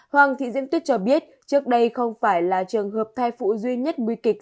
hoàng thị diễm tuyết cho biết trước đây không phải là trường hợp thai phụ duy nhất nguy kịch